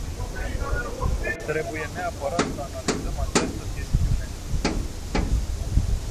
Trebuie neapărat să analizăm această chestiune.